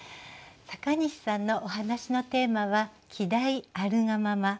阪西さんのお話のテーマは「季題あるがまま」。